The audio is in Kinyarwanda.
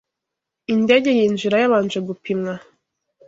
Indege yinjira yabanje gupimwa